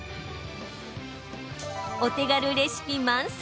お手軽レシピ満載。